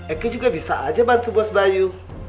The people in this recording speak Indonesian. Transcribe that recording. eki juga bisa aja bantu bos bayu